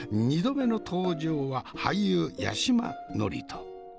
２度目の登場は俳優八嶋智人。